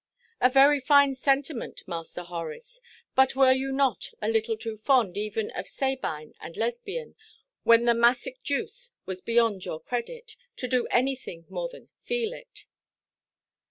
"A very fine sentiment, Master Horace; but were you not a little too fond even of Sabine and Lesbian—when the Massic juice was beyond your credit—to do anything more than feel it?"